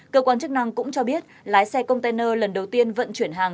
cơ quan chức năng cũng cho biết lái xe container lần đầu tiên vận chuyển hàng